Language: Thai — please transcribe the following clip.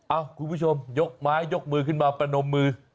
คุณผู้ชมยกไม้ยกมือขึ้นมาประนมมือ